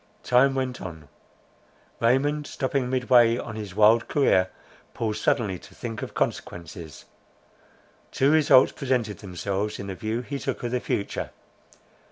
Time went on. Raymond, stopping mid way in his wild career, paused suddenly to think of consequences. Two results presented themselves in the view he took of the future.